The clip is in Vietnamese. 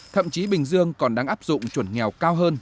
thậm chí bình dương còn đang áp dụng chuẩn nghèo cao hơn